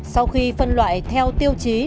sau khi phân loại theo tiêu chí